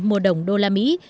mua đồng đô la mỹ